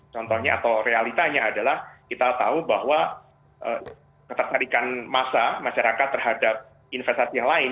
contohnya atau realitanya adalah kita tahu bahwa ketertarikan massa masyarakat terhadap investasi yang lain